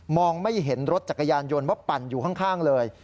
ไม่เห็นรถจักรยานยนต์ว่าปั่นอยู่ข้างเลย